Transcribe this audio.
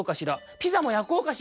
ピザもやこうかしら」。